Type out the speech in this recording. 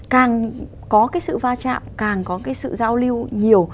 càng có cái sự va chạm càng có cái sự giao lưu nhiều